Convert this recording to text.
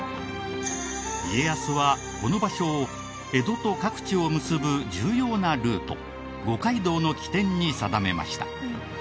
家康はこの場所を江戸と各地を結ぶ重要なルート五街道の起点に定めました。